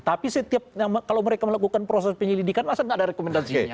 tapi setiap kalau mereka melakukan proses penyelidikan masa tidak ada rekomendasinya